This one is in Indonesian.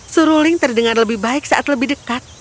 seruling terdengar lebih baik saat lebih dekat